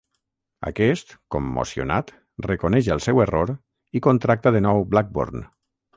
Aquest, commocionat, reconeix el seu error i contracta de nou Blackburn.